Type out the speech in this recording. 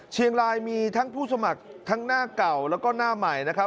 เชียงรายมีทั้งผู้สมัครทั้งหน้าเก่าแล้วก็หน้าใหม่นะครับ